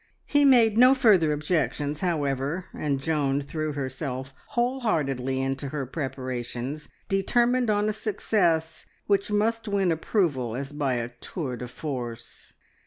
He made no further objections, however, and Joan threw herself whole heartedly into her preparations, determined on a success which must win approval as by a tour de force.